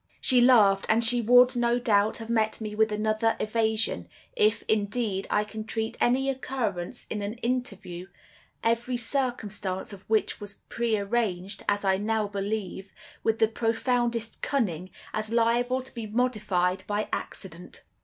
"She laughed, and she would, no doubt, have met me with another evasion—if, indeed, I can treat any occurrence in an interview every circumstance of which was prearranged, as I now believe, with the profoundest cunning, as liable to be modified by accident.